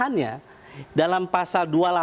atau yang memiliki kemampuan untuk mencapai penyakit